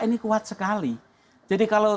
ini kuat sekali jadi kalau